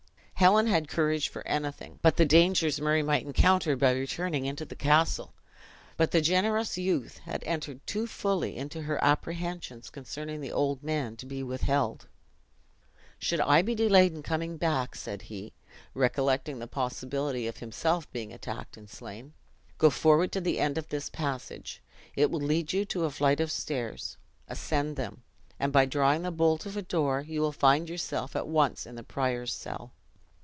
Helen had courage for anything but the dangers Murray might encounter by returning into the castle; but the generous youth had entered too fully into her apprehensions concerning the old man to be withheld. "Should I be delayed in coming back," said he, recollecting the possibility of himself being attacked and slain, "go forward to the end of this passage; it will lead you to a flight of stairs; ascend them; and by drawing the bolt of a door, you will find yourself at once in the prior's cell."